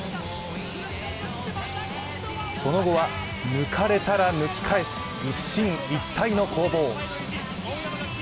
その後は抜かれたら抜き返す一進一退の攻防。